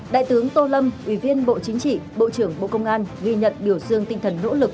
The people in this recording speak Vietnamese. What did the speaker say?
đại tướng tô lâm ủy viên bộ chính trị bộ trưởng bộ công an ghi nhận biểu dương tinh thần nỗ lực